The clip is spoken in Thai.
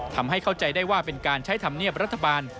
ทำให้เข้าใจได้ว่าเป็นการใช้ธรรมเนียบรัฐบาล